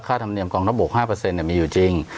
ค่าธรรมเนียมกองรับบุค๕เปอร์เซ็นต์เนี่ยมีอยู่จริง